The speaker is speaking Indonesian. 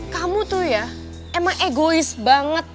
kamu tuh ya emang egois banget